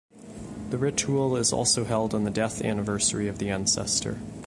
The ritual is also held on the death anniversary of the ancestor.